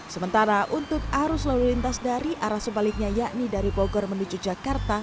sementara untuk arus lalu lintas dari arah sebaliknya yakni dari bogor menuju jakarta